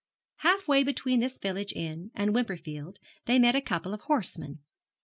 Half way between this village inn and Wimperfield they met a couple of horsemen.